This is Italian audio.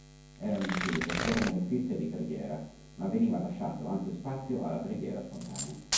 Erano incluse formule fisse di preghiera, ma veniva lasciato ampio spazio alla preghiera spontanea.